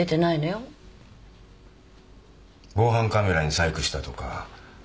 防犯カメラに細工したとか。